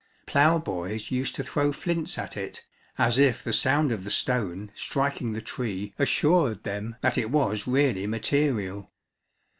Ploughboys used to throw flints at it, as if the sound of the stone striking the tree assured them that it was really material.